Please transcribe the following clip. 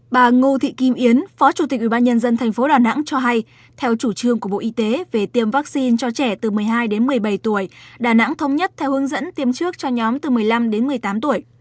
bà ngô thị kim yến phó chủ tịch ubnd tp đà nẵng cho hay theo chủ trương của bộ y tế về tiêm vaccine cho trẻ từ một mươi hai đến một mươi bảy tuổi đà nẵng thống nhất theo hướng dẫn tiêm trước cho nhóm từ một mươi năm đến một mươi tám tuổi